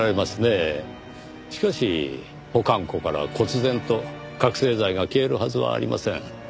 しかし保管庫から忽然と覚醒剤が消えるはずはありません。